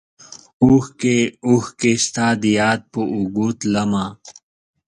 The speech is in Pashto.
اوښکې ، اوښکې ستا دیاد په اوږو تلمه